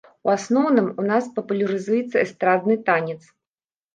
У асноўным, у нас папулярызуецца эстрадны танец.